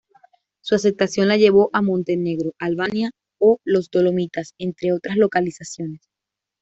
Su aceptación le llevó a Montenegro, Albania o los Dolomitas, entre otras localizaciones.